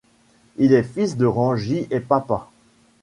Il est fils de Rangi et Papa.